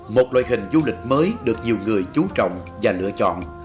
một loại hình du lịch mới được nhiều người chú trọng và lựa chọn